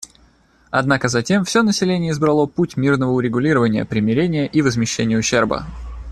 Однако затем все население избрало путь мирного урегулирования, примирения и возмещения ущерба.